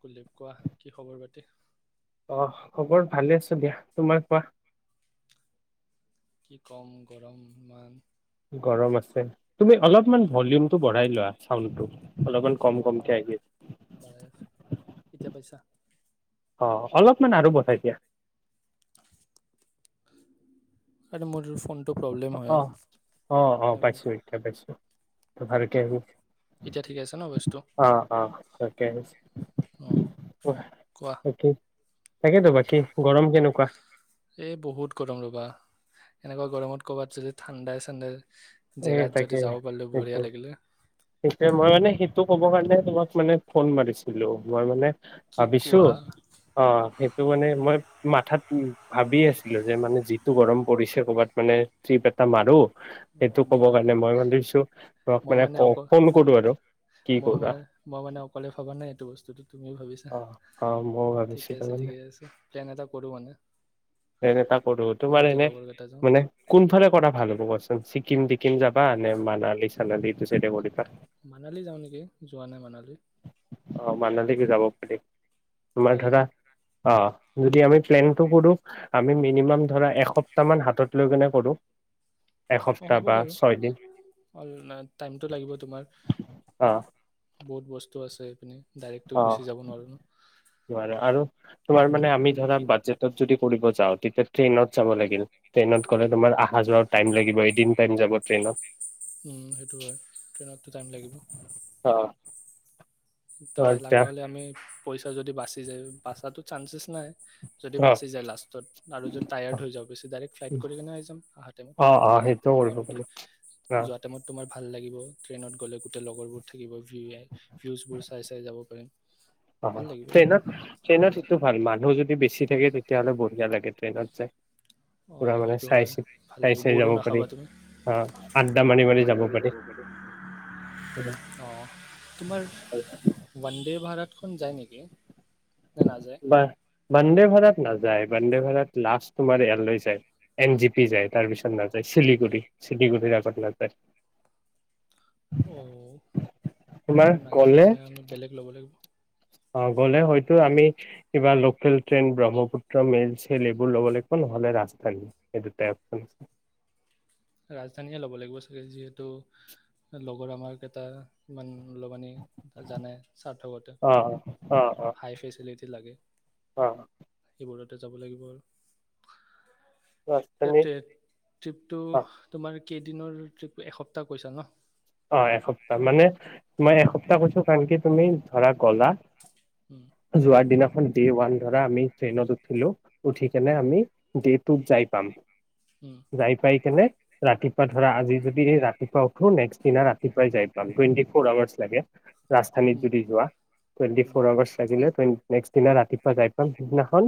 কলীপ কোৱা কি খবৰ পাতি আহ খবৰ ভালে আছো দিয়া তোমাৰ কোৱা কি কম গৰম ইমান গৰম আছে তুমি অলপমান ভলিউমটো বঢ়াই লোৱা চাউণ্ডটো অলপমান কম কমকে আহি আছে অ এতিয়া পাইছা? অ', অলপমান আৰু বঢ়াই দিয়া। আৰু মোৰ [unintelligible] ফোনটো প্ৰব্লেম অ', হয় - অ', - অ', পাইছো এইবোৰ- এতিয়া পাইছো। এতিয়া ভালকে আহিছে এতিয়া ঠিকে আছে ন ভইচটো আহ', অ', ভালকে আহিছে অ কোৱা তাকেইতো বাকী গৰম কেনেকুৱা? এই বহুত গৰম ৰ'বা এনেকুৱা গৰমত'কৰবাত যদি ঠাণ্ডাই চাণ্ডাই এ জেগাত ', যদি তাকে যাব পাৰিলো বঢ়িয়া সেইটোৱে লাগিলে -সেইটোৱে মই মানে তটো ক'ব কাৰণে তোমাক মানে ফোন মাৰিছিলো মই মানে কি ভাবিছো কোৱা অ', সেইটো মানে মই মাথাত উ', ভাবি আছিলো যে মানে যিটো গৰম পৰিছে কৰ'বাত মানে ট্ৰিপ এটা মাৰো। সেইটো অঁ, মই ক'ব কাৰণে মই ভাবিছো তোমাক মই মানে কওঁ অকল ফোন কৰো আৰু কি মই কৰা? মানে মই মানে অকলে ভবা নাই এইটো বস্তুটো তুমিও ভাবিছা অ', অ', মইও ঠিকে ভাবিছিলো আছে মানে ঠিকে আছে প্লেন এটা কৰোঁ মানে প্লেন এটা কৰো তোমাৰ গোটেই এনে লগৰ কেইটা যাওঁ মানে কোনফাল কৰা ভাল হব কোৱাচোন ছিক্কিম ছিক্কিম তিক্কিম যাবা নে মানালী চানালি এইটো চাইড এ কৰিবা। মানালী যাওঁ নেকি যোৱা নাই মানালী। অ', মানহালীকে যাব স তোমাৰ কালি ন ধৰা অ', যদি আমি প্লেনটো কৰো আমি মিনিমাম ধৰা এসপ্তাহ মান হাতত লৈ কেনে কৰো। অ এসপ্তাহ হ'ব বা বাৰু ছয় দিন অ টাইমটো লাগিব তোমাৰ। অ বহুত বস্তু আছে এইপিনি। অ নোৱাৰা আৰু তোমাৰ মানে আমি ধৰা বাজেটত যদি ফুৰিব যাওঁ তেতিয়া ট্ৰেইনত যাব লাগিল ট্ৰেইনত গ'লে তোমাৰ অহা যোৱা টাইম লাগিব এদিন টাইম যাব ট্ৰেইনত। সেইটো হয় ট্ৰেইনত টাইম লাগিব। অ ত অ', এতিয়া লগা হলে আমি পইচা যদি বাচি যায় বাচা চান্সেছ নাই যদি অ', বাচি যায় লাষ্টত আৰু যদি টায়াৰ্ড অ', হৈ যাওঁ বেছি ডাইৰেক্ট ফ্লাইট কৰি কেনে আহ যাম আহা টাইমত অ', অহা অ', টাইমত সেইটোও ন কৰিব আৰু কি পাৰি অ', যোৱা টাইমত তোমাৰ ভাল লাগিব ট্ৰেইনত গ'লে গোটেই লগৰবোৰ থাকিব ভী ভিউচ চাই চাই যাব পাৰিম। অ ট্ৰেইনত ট্ৰেইনত সেইটো ভাল মানুহ যদি বেছি থাকে তেটি তিয়াহলে বঢ়িয়া লাগে ট্ৰেইনত যায়। অ সেইটো হয় ভাল চাই লাগ চাই বৰো যাব পাৰি নাখাবা তুমি আড্ডা মাৰি মাৰি যাব পাৰোঁ, অ তোমাৰ বন্দে ভাৰত খন যায় নেকি? নে নাযায় বা বন্দে ভাৰত নাযায়। বন্দে ভাৰত লাষ্ট তোমাৰ এয়াৰলৈ যায় এন জি পি যায় তাৰপিছত নাযায় চিলিগুৰি চিলিগুৰি আগত নাযায়। অঁ তোমাৰ সেইখন নাযায় গ'লে মানে আমি বেলেগ ল'ব লাগিব। অ গ'লে হয়তো আমি কিবা লোকেল ট্ৰেইন ব্ৰহ্মপুত্ৰ মেইিল চেল এইবোৰ লব লাগিব নহলে ৰাজধানী সেই দুটাই অপচন আছে। ৰাজধানীয়ে ল'ব লাগিব চাগে যিহেতু লগৰ আমাক এটা ইমান লাননি জানে স্বাৰ্থকতে অ অ অ হাই ফেচিলিটি লাগে। অ লগতে যাব লাগিবই আৰু। এয়া ৰাজধানী ট্ৰে ট্ৰিপটো অ তোমাৰ কেইদিনৰ ট্ৰিপ এসপ্তাহ কৈছা ন? অ এসপ্তাহ মানে মই এসপ্তাহ কৈছো কাৰণ কি তুমি ধৰা গলা উম, যোৱাৰ দিনা ডে ওৱান ধৰা আমি ট্ৰেইনত উঠিলো উঠি কেনে আমি ডে টুত যাই পাম। উম, যাই পাই কেনে ৰাতিপুৱা ধৰা আজি যদি ৰাতিপুৱা উঠো নেক্সট। পিছদিনা ৰাতিপুৱাই যাই। টুৱেনটি ফৰ আৱাৰ্চ লাগে ৰাজধানীত উম, যদি যোৱা টুৱেনটি উম। ফৰ আৱাৰ্চ লাগিলে টুৱেন। নেক্সট দিনা ৰাতিপুৱা যাই পাম সিদিনাখন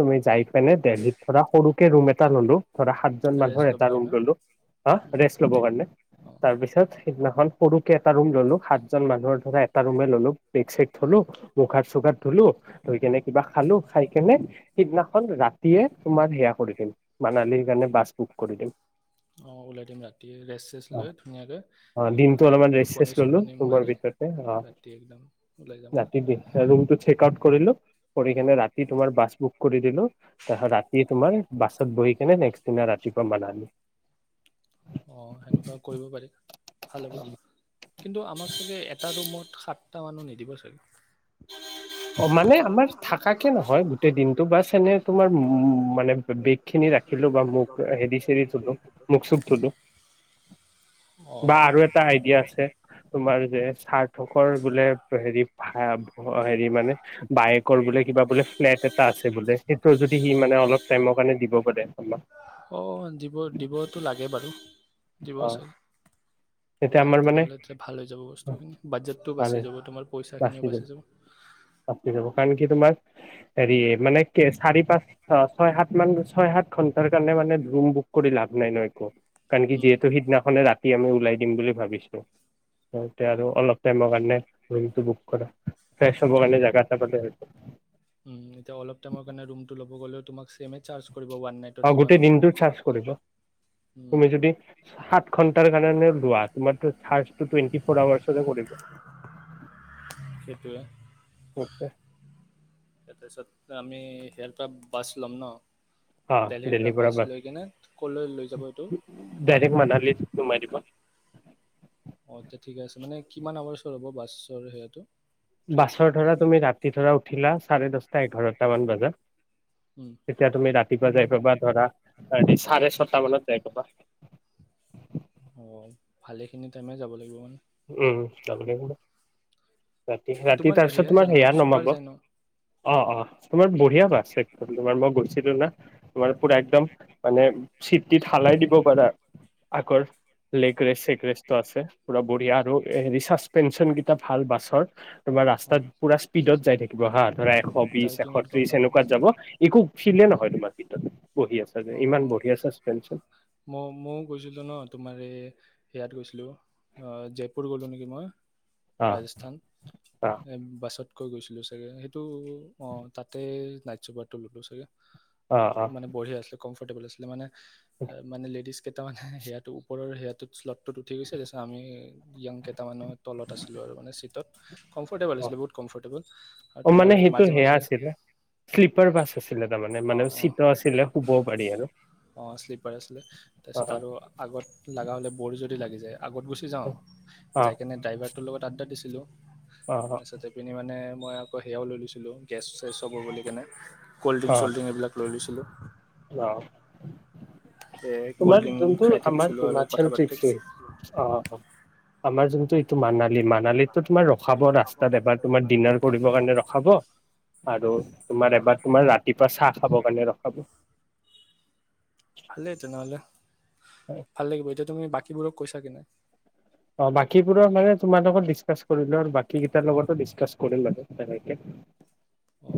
তুমি যাই। মানে দেলহিত ধৰা সৰুকে ৰুম এটা ললো ধৰা সাতজন মানুহৰ ৰেষ্ট এটা ল'বৰ ৰুম কাৰণে ললো হ উম, ৰেষ্ট ল'ব কাৰণে অঁ তাৰ পিছত। সেইদিনাখন সৰু। কে এটা ৰুম ললো সাতজন মানুহৰ। ধৰা এটা ৰুমে ল'লোঁ। বেক চেক থলো উম, মোখ হাত‌ চোক হাত। ধুলো ধুই কেনে কিবা খালো খাই কেনে সিদিনাখন ৰাতিয়ে তোমাৰ সেয়া কৰি দিম। মানালীৰ কাৰণে বাছ বুক কৰি দিম অহ ওলাই দিম ৰাতি ৰেষ্ট চেষ্ট অ', লৈ ধুনীয়াকে। অ দিনটো অলপমান ৰেচ চেচ ললো ৰুমৰ ভিতৰতে অ ৰাতি একদম ওলাই যাম আৰু ৰাতি ৰুমটো চেক আউট। কৰিলো। উম, কৰিকেনে ৰাতি তোমাৰ বাছ। বুক কৰি দিলো তাছত ৰাতি তোমাৰ বাছত বহি কিনে নেক্সট দিনা ৰাতিপুৱা মান আমি। অ সেনেকোৱা কৰিব পাৰি। ভাল হ'ব। কিন্তু আমাক চাগে এটা ৰুমত সাতটা মানুহ নিদিব চাগে। অ মানে আমাৰ থাকাকে নহয় গোটেই দিনটো বা চনে তোমাৰ মানে বেগ খিনি ৰাখিলো বা মোক হেৰি চেৰি চুলো মুখ চুখ ধুলো। অ বা আৰু এটা আইডিয়া আছে তোমাৰ যে। সাৰ্থকৰ বোলে হেৰি হা। মানে, বায়েকৰ বোলে কিবা বোলে ইণেণ্ট এটা আছে বোলে, হেটোও যদি সি মানে অলপ টাইমৰ কাৰনে দিব পাৰে, আমাক। অ দিব-দিবতো লাগে বাৰু। দিব অ চাগে? তেতিয়া পাৰি আমাৰ মানে তেনেহলে ভাল হৈ যাব বস্তুখিনি, বাজেটটো ভালে বাছি যাব তোমাৰ পইচাখিনিও বাচি যাব। বাচি যাব কাৰণ কি তোমাৰ হেৰি মানে চাৰি-পাঁচ-ছয়-সাত মান ছয়-সাত ঘন্টাৰ কাৰণে মানে ৰুম বুক কৰি লাভ নাই ন একো? কাৰণ কি উম যিহেতু সিদিনাখনে ৰাতি আমি। ওলাই দিম বুলি ভাবিছো। তয়া অ আৰু অলপ টাইমৰ কাৰণে। ৰুমটো বুক কৰা। ফেছ হ'ব কাৰনে জাগা এটা [unintelligible] উ এতি অলপ টাইমৰ কাৰনে ৰুমটো লব গ'লে তোমাক। ছেমে চাৰ্জ কৰিব ওৱান নাইটৰ অ যিমান গোটেই লয় দিনটো চাৰ্জ কৰিব। উম তুমি যদি সাত ঘন্টাৰ কাৰণে লোৱা, তোমাত চাৰ্জ। টো টোৱেটি ফ'ৰ আাৱাছ। সেইটোৱে, তাৰপিছত আমি ইেয়াৰ পৰা বাচ লম ন? অ দেলহিৰ দেল্লীৰ পৰা বাছ, লৈ কিনে ক'লৈ লৈ যাব এইটো ডাইৰেক্ মাদালিত সোমাই দিব। অ তেয়া ঠিকে আছে, মানে কিমান হৌৰাছ হ'ব? বাছ সেয়াটো? ট্ৰিপটো বাছৰ ধৰা তুমি ৰাতি ধৰা উঠিলা চাৰে দশ এঘাৰটা মান বজাত, উম তেতিয়া তুমি ৰা ৰাতিপুৱা যাই পাবা ধৰা চাৰে ছয়টা মানত যাই পাবা। অ ভালেখিনি টাইমে যাব লাগিব মানে। উম চলনে ক। ৰাতি এই ৰাতি তোমাৰ তাৰপিছত তোমাৰ যায় ন সেয়া নমাব চুপাৰ যায় ন অ অ তোমাৰ বঢ়িয়া বাছে তোমাৰ মই গ। তোমাৰ পুৰা একদম মানে চিটিত হালাই দিব পাৰা আগৰ লেগ ৰেষ্ট চেগ ৰেষ্টটো আছে পুৰা। বঢ়িয়া আৰু এ হেৰি চাচপেঞ্চন কেইটা ভাল বাছৰ। তোমাৰ অ ৰাস্তাত পুৰা স্পীডত যাই থাকে? গহাৰ। ধৰা এশ বিশ এশ জাৰ্কিঙত গম ত্ৰিশ নাপাম সেনেকুৱাত যাব একো ফিলে নহয় তোমাৰ ভিততে বহি আছো? অ ইমান বঢ়িয় চাচপেঞ্চন? মই ময়ো গৈছিলোঁ ন তোমাৰ এই ইয়াত গৈছিলোঁ? অ জয়পুৰ গ'লো নি। কিব। অ ৰাজস্থান অ বাছত। কৈ গৈছিলো চাগে সেইটো অ তাতে নাইট ছুপাৰ তো ল'লো চাগে? অ অ মানে বঢ়িয়া আছিলে কমফৰ্টেবল আছিল মানে। মানে লেডিছ। কেইটামানে সেয়াটো ওপৰৰ সেয়াটোত শ্লটটোত উঠি গৈছোৰত আমি য়াং কেইটামানৰ তলত আছিলো আৰু মানে চিটত। অ অ তোমাৰ মানে সেইটো মাজে সেয়া মাজে আছিলে শ্লিপাৰ বাছ আছিলে তাৰমানে মানে অঁ অঁ চিট আছিলে? শুবও পাৰি আৰু অঁ শ্লিপাৰ আছিলে অ তাৰপিছত আৰু আগত লগা হ'লে ব'ৰ যদি লাগি যায় আগত গুচি যাওঁ অ অ যাই কেনে ড্ৰাইভাৰ। তোৰ লগত আড্ডা দিছিলোঁ? অ তাৰপিছতে পিনি মানে। মই আকৌ সেয়াও লৈ লৈছিলোঁ গেছ চেছ চব বুলি কেনে। অ কলড্ৰিংক চল্ড্ৰিং এইবিলাক লৈ লৈছিলোঁ? অ ক'ল্ড তোমাৰ ড্ৰিংক যোনটো খাই আমাৰ থাকিছিলোঁ আৰু হিমাচল কথা পাতি ট্ৰিপটোৱে, অ। আমাৰ জোন টো এইটো মানালী মানালিতো তোমাৰ ৰখাব ৰাস্তাত এবাৰ তোমাৰ ডিনাৰ কৰিবৰ কাৰণে ৰখাব আৰু তোমাৰ অঁ এবাৰ ৰাতিপুৱা চাহ খাব কাৰণে ৰখাব। ভালেই তেনেহলে ভাল লাগিব এতিয়া তুমি বা কি বোৰক কৈছা কি নাই? অ বাকীবোৰৰ মানে তোমাৰ লগত ডিচকাছ কৰিলো, আৰু বাকীকেইটাৰ লগতো ডিচকাছ কৰিম আৰু তেনেকে অ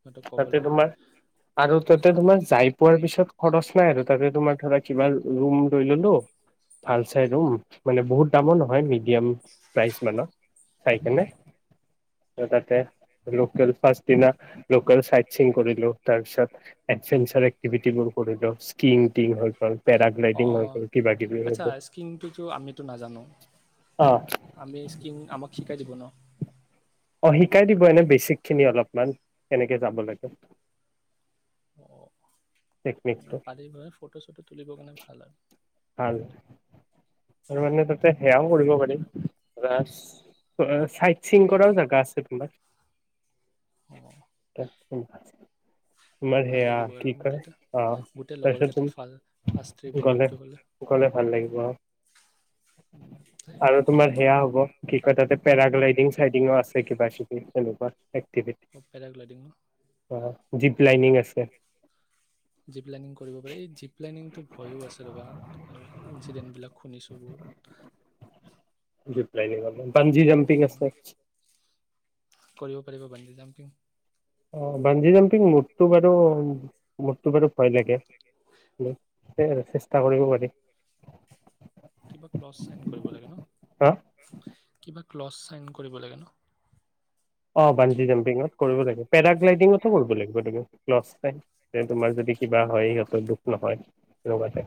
সিহঁতক ক'ব তাতে লাগিব তোমাৰ আৰু তাতে তোমাৰ যাই পোৱাৰ পিছত খৰচ নাই আৰু তাতে তোমাৰ ধৰা কিবা ৰুম লৈ ললো, ভাল চাই ৰুম মানে বহুত দামৰ নহয় সি। মিডিয়াম প্ৰাইজ মানে ন চাই উম। কেনে। তাতে লোকেল ফাষ্ট দিনা লোকেল চাইট চিং কৰিলো, তাৰপিছত এডভেঞ্চাৰ এক্টিভিটিবোৰ কৰিলো স্কিংটিং হৈ গল অঁ পেৰাগ্লাইডিং হৈ অঁ গল কিবা কিবি হৈ আচ্ছা গ'ল। স্কিনটোতো আমিতো নাজানো অ আমি স্কিম আমাক শিকাই দিব ন। অ শিকাই দিব এনেই বেচিক খিনি অলপমান কেনেকে যাব লাগে। [unintelligible] টেকনিকটো আজি পোৰা ফটো চটো তুলিবৰ কাৰণে ভাল আৰু ভাল ত মানে তাতে সেয়াও কৰিব পাৰিম। চাইদ স্কিম কৰাও জাগা আছে তোমাৰ। অঁ [unintelligible] ভাল সেয়া লাগিব কি আৰু কয় অ মুঠতে গোটেই লগৰ তাৰপিছত কেইটাৰ তুমি ফাষ্ট ট্ৰিপ হ'ব এইটো গ'লে। গ'লে ভাল লাগিব উম, আৰু তোমাৰ সেয়া হ'ব কি কয় তাতে পেৰাগ্লাইডিং চাইডিঙো আছে কিবা কিবি এনেকুৱা এক্টিভিটি পেৰাগ্লাইডিং ন অ জিপ লাইনিং আছে জীপ লাইনিং কৰিব পাৰি জীপ লাইনিং টো ভয়ো আছে ৰ'বা তোমাৰ ইনঞ্চিডেণ্টবিলাক শুনিছোঁ বহুত জীপ লাইনিঙৰ পঞ্জি জম্পিং ও উম, আছে। কৰিব পাৰিব পাঞ্জি জাম্পিং। অ পাঞ্জি জাম্পিং মোৰ টো বাৰু মোৰটো বাৰু ভয় লাগে। চেষ্টা কৰিব পাৰি। কিবা ক্লছ চাইন কৰিব লাগে হা ন। ক্লছ চাইন কৰিব লাগে ন? অ বালটিকেল টি‍ংত কৰিব লাগে পেৰাগ্লাইডিঙতো কৰিব লাগিব লাচ তাইম তেনে তোমাৰ যদি কিবা হয়। দুখ নহয় লগতে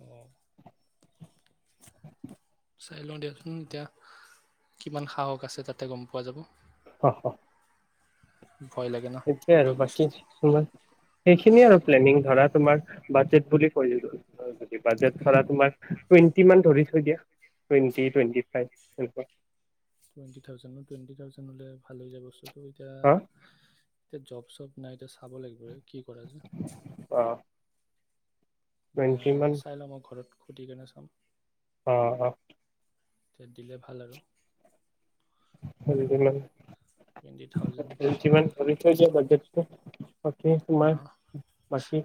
অহ চাই লওঁ দিয়াচোন এতিয়া কিমান সাহস আছে তাতে গম পোৱা যাব। অহ অহ ভয় লাগে ন সেইটোৱে আৰু এইবিলাক বাকী বস্তু। তোমাৰ সেইখিনি আৰু প্লেনিং ধৰা তোমাৰ। বাজেট বুলি কৈ দিলোঁ বাজেট ধৰা তোমাৰ টুৱেণ্টি মান ধৰি থৈ দিয়া টুৱেটি টুৱেটি ফাইভ এনেকুৱা। টুৱেন্টি থাউজেণ্ড ন টুৱেন্টি থাউজেণ্ড হ'লে ভাল হৈ যাব চোন। কিন্তু এতিয়া হা এতিয়া জব চব নাই এতিয়া চাব লাগিব ৰে। কি কৰা যে অ মানে টুৱেণ্টি মান চাই লওঁ মই ঘৰত। সুধিকেনে চাম। অ অ তেত দিলে ভাল আৰু। টুৱেণ্টি থাউজেণ্ড [inaudible] যিমান কৰি থৈছ বাজেট। [unintelligible] অ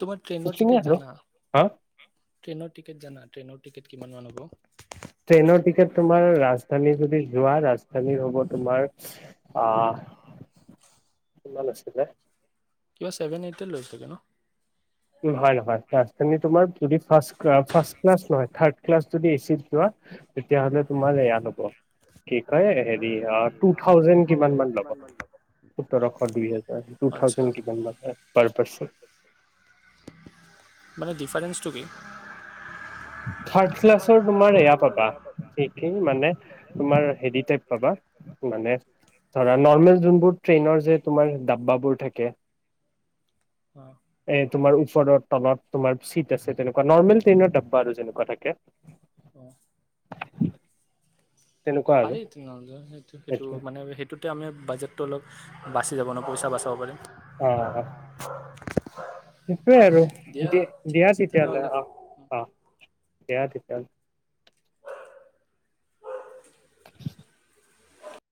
তোমাৰ ট্ৰেইনৰ সেইখিনিয়ে টিকেট আৰু জানা হা ট্ৰেইনৰ টিকেট জানা ট্ৰেইনৰ টিকেট কিমান মান হ'ব। ট্ৰেইনৰ টিকেট তোমাৰ ৰাজধানী যদি। যোৱা ৰাজধানী হ'ব তোমাৰ আহ কিমান আছিলে? কিবা ছেভেন এইটি লৈছিলে ন উম হয় হয় পাছফালে তোমাৰ যদি ফাষ্ট ক্লাছ ক্লাছ নহয় থ্ৰাদ ক্লাছ। যদি এচিত যোৱা তেতিয়া হ'লে তোমাৰ এয়া ল'ব কি কয় হেৰি টু থাউজেণ্ড কিমানান ল'ব সোতৰশ দুই হাজাৰ টু আচ্ছা, থাউজেণ্ড কিমান মান তাৰ পাছত। মানে ডিফাৰেন্ঞ্চটো কি থাৰ্ড ক্লাছৰ তোমাৰ এয়া পাবা যিটো মানে তোমাৰ হেৰি টাইপ পাবা মানে ধৰা নৰ্মেল যোনবোৰ ট্ৰেইনৰ যে তোমাৰ ডাব্বাবোৰ থাকে হয় এ তোমাৰ ওচৰত তলত তোমাৰ চিট আছে তেনেকা নৰ্মেল ট্ৰেইনত আউ। বাৰু যেনেকুৱা থাকে অ তেনেকুৱা আৰু পাৰি তেনেহলে সেইটো সেইটো সেইটোৱে মানে সেইটোতে আমি বাজেট। ত লগ বাচি যাব ন পইচা বাচাব পাৰিম। অহ অ সেইটোৱে আৰু দিয়া ঠিক দিয়া আছে তেতিয়াহলে তেনেহ'লে আহ অ দিয়া তেতিয়া কাল ় [unintelligible]